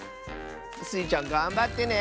スイちゃんがんばってね！